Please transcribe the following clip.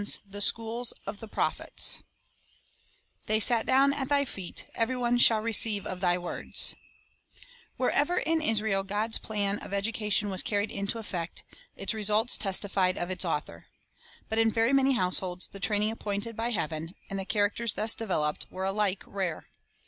The Schools of the Prophets THEY SAT DOWN AT THV KEETj EVERY ONE SHALL RECEIVE OF THY WORDS" TJTHEREVER in Israel God's plan of education '* was carried into effect, its results testified of its Author. But in very many households the training ap pointed by Heaven, and the characters thus developed, were alike rare.